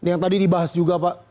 yang tadi dibahas juga pak